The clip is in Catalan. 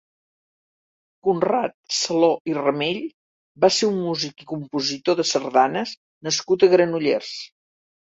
Conrad Saló i Ramell va ser un músic i compositor de sardanes nascut a Granollers.